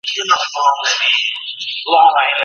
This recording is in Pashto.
درناوی د اړیکو کیلي ده.